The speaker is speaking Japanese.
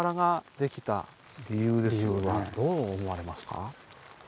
どう思われますか？